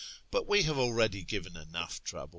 . but we have already given enough trouble."